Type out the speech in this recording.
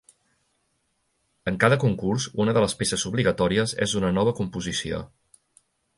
En cada concurs, una de les peces obligatòries és una nova composició.